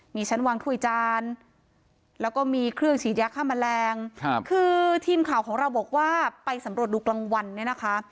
มีชั้นวางถ้วยจานแล้วก็มีเครื่องฉีดยาฆ่าแมลงคือทีมข่าวของเราบอกว่าไปสำรวจดูกลางวันเนี่ยนะคะ